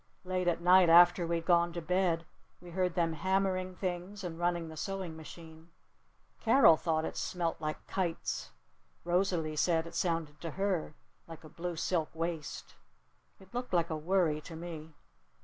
Late at night after we'd gone to bed we heard them hammering things and running the sewing machine. Carol thought it smelt like kites. Rosalee said it sounded to her like a blue silk waist. It looked like a worry to me.